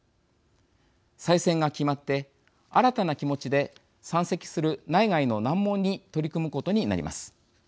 再選が決まって新たな気持ちで山積する内外の難問に取り組むことになります。